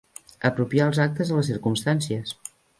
Apropiar els actes a les circumstàncies.